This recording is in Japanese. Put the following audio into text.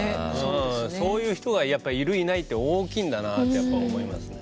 そういう人がいる、いないって大きいんだなって思いますね。